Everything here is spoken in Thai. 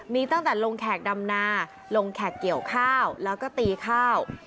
มีตั้งแต่ลงแขกดำนาลงแขกเกี่ยวข้าวแล้วก็ตีข้าว